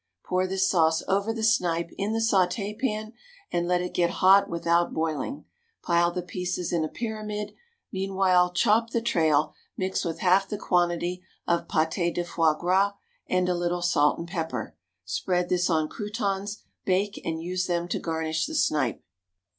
Pour this sauce over the snipe in the sauté pan, and let it get hot without boiling; pile the pieces in a pyramid; meanwhile chop the trail, mix with half the quantity of pâté de foie gras and a little salt and pepper; spread this on croûtons, bake, and use them to garnish the snipe.